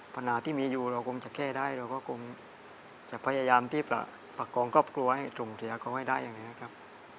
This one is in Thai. ปัญหาที่มีอยู่เราคงจะแก้ได้เราก็คงจะพยายามที่ประกองครอบครัวให้ส่งเสียเขาให้ได้อย่างนี้ครับ